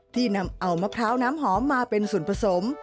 ที่นำเอามะพร้าวน้ำหอมมาเป็นส่วนผสม